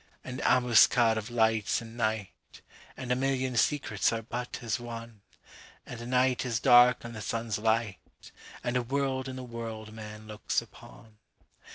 24An ambuscade of lights in night,25(And a million secrets are but as one)26And anight is dark in the sun's light,27And a world in the world man looks upon.